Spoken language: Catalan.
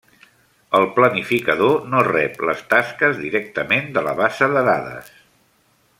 El planificador no rep les tasques directament de la base de dades.